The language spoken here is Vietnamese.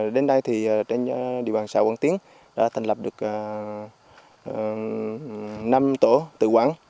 đến đây thì trên địa bàn xã quảng tiến đã thành lập được năm tổ tự quản